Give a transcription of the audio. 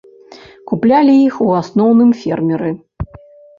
Куплялі іх у асноўным фермеры.